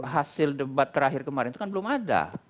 hasil debat terakhir kemarin itu kan belum ada